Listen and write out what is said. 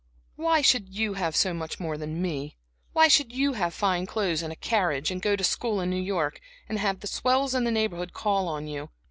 "Why should you have so much more than me? Why should you have fine clothes, and a carriage, and go to school in New York, and have the swells in the neighborhood call on you?